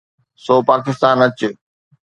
سو پاڪستان اچ.